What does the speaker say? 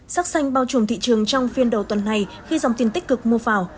sắc xanh bao trùm thị trường trong phiên đầu tuần này khi dòng tiền tích cực mua vào